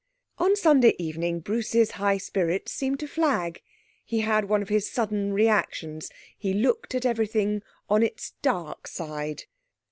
On Sunday evening Bruce's high spirits seemed to flag; he had one of his sudden reactions. He looked at everything on its dark side.